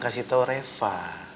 kasih tau reva